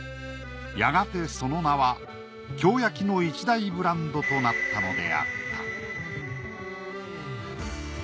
やがてその名は京焼の一大ブランドとなったのであった。